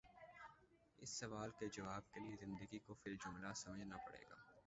اس سوال کے جواب کے لیے زندگی کو فی الجملہ سمجھنا پڑے گا۔